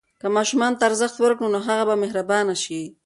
که ماشوم ته ارزښت ورکړو، نو هغه به مهربان شي.